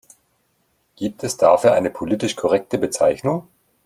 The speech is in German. Gibt es dafür eine politisch korrekte Bezeichnung?